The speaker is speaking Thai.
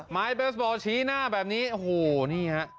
ไม้เบสบอลชี้หน้าแบบนี้โอ้โหนี่ฮะ